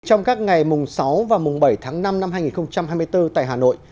trong các ngày mùng sáu và mùng bảy tháng năm năm hai nghìn hai mươi bốn tại hà nội